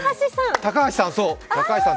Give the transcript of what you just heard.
高橋さん！